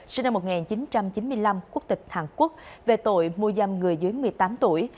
sinh năm một nghìn chín trăm chín mươi năm quốc tịch hàn quốc về tội mua dâm người dưới một mươi tám tuổi